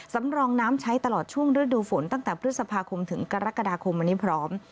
สำรองน้ำใช้ตลอดช่วงฤดูฝนตั้งแต่พฤษภาคมถึงกรกฎาคมวันนี้พร้อม